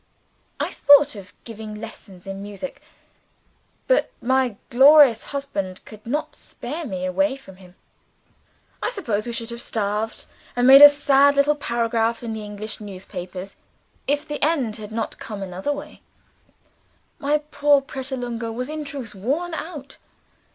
I thought of giving lessons in music. But my glorious husband could not spare me away from him. I suppose we should have starved, and made a sad little paragraph in the English newspapers if the end had not come in another way. My poor Pratolungo was in truth worn out.